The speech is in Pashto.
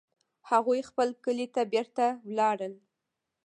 هغوی خپل کلي ته بیرته ولاړل